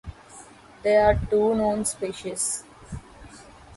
There are two known species.